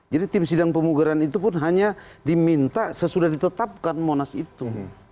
jadi tim sidang pemugaran itu pun hanya diminta sesudah ditetapkan monas itu